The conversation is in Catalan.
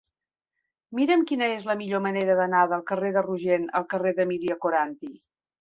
Mira'm quina és la millor manera d'anar del carrer de Rogent al carrer d'Emília Coranty.